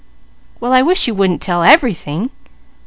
"Well I wish you wouldn't tell everything!"